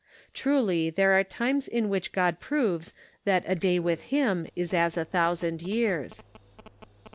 Truly there are times in which God proves that a " day with him is as a thousand years."